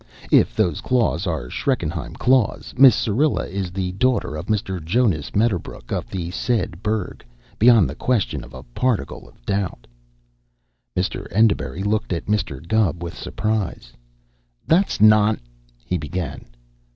If those claws are Schreckenheim claws, Miss Syrilla is the daughter of Mr. Jonas Medderbrook of the said burg, beyond the question of a particle of doubt." Mr. Enderbury looked at Mr. Gubb with surprise. "That's non " he began.